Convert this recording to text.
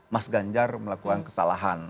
mas ganjar melakukan kesalahan